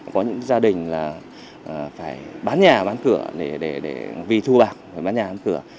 có những gia đình là phải bán nhà bán cửa để vì thu bạc bán nhà ăn cửa